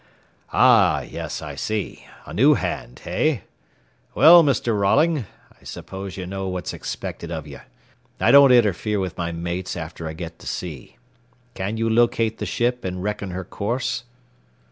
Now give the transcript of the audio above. "Ah, yes, I see. A new hand, hey? Well, Mr. Rolling, I suppose you know what's expected of you. I don't interfere with my mates after I get to sea. Can you locate the ship and reckon her course?"